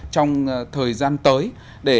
trong thời gian tới để